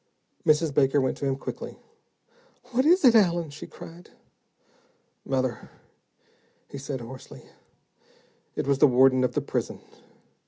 Mrs. Baker went to him quickly. "What is it, Allen?" she cried. "Mother," he said hoarsely, "it was the warden of the prison.